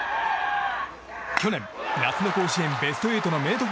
去年、夏の甲子園ベスト８の明徳